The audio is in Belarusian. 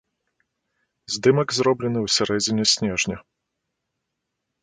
Здымак зроблены ў сярэдзіне снежня.